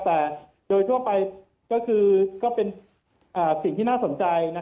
แต่โดยทั่วไปก็คือก็เป็นสิ่งที่น่าสนใจ